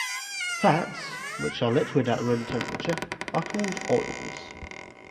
Fats, which are liquid at room temperature, are called oils.